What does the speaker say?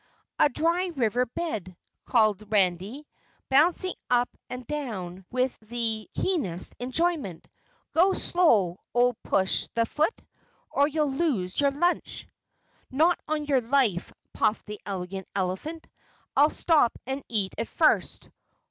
"A dry river bed," called Randy, bouncing up and down with the keenest enjoyment. "Go slow, old Push the Foot, or you'll lose your lunch." "Not on your life!" puffed the Elegant Elephant. "I'll stop and eat it first.